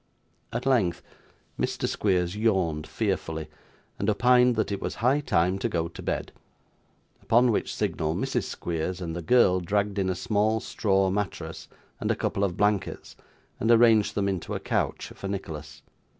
At length, Mr. Squeers yawned fearfully, and opined that it was high time to go to bed; upon which signal, Mrs. Squeers and the girl dragged in a small straw mattress and a couple of blankets, and arranged them into a couch for Nicholas.